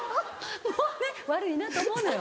もうね悪いなと思うのよ。